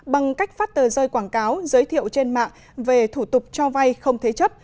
bằng cách phát tờ rơi quảng cáo giới thiệu trên mạng về thủ tục cho vay không thế chấp